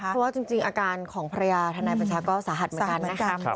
เพราะว่าจริงอาการของภรรยาทนายบัญชาก็สาหัสเหมือนกันนะคะ